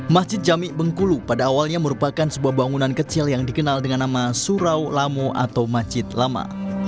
masjid jami bengkulu pada awalnya merupakan sebuah bangunan kecil yang dikenal dengan nama surau lamo atau masjid lama